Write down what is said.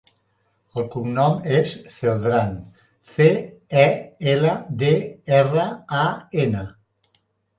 El cognom és Celdran: ce, e, ela, de, erra, a, ena.